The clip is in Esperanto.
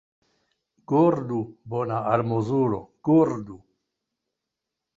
Gurdu, bona almozulo, gurdu!